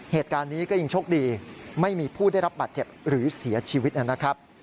เหตุการณ์นี้ก็ยังโชคดีไม่มีผู้ได้รับบาดเจ็บหรือเสียชีวิตนะครับ